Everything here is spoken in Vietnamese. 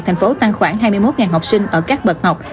thành phố tăng khoảng hai mươi một học sinh ở các bậc học